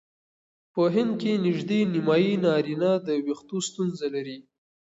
په هند کې نژدې نیمایي نارینه د وېښتو ستونزه لري.